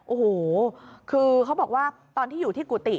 โอ้โหคือเขาบอกว่าตอนที่อยู่ที่กุฏิ